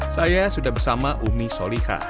saya sudah bersama umi solihah